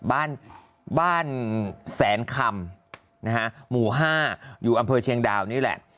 บ้านบ้านแสนคำนะฮะหมู่๕อยู่อำเภอเชียงดาวนี่แหละ